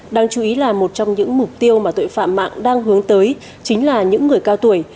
đáng chú ý là một trong những mục tiêu mà tội phạm mạng đang hướng tới chính là những người cao tuổi